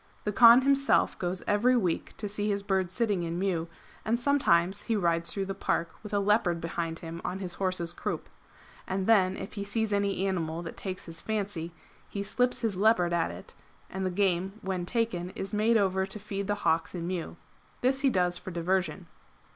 The Kaan himself goes every week to see his birds sitting in mew, and sometimes he rides through the park with a leopard behind him on his horse's croup ; and then if he sees any animal that takes his fancy, he slips his leopard at it,^ and the game when taken is made over to feed the hawks in mew. This he does for diversion.